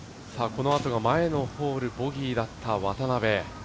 このあとが前のホールボギーだった渡邉。